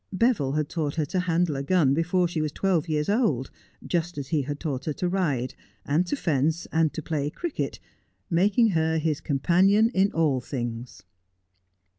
Beville had taught her to handle a gun before she was twelve years old, just as he had taught her to ride, and to fence, and to play cricket, making her his companion in all things.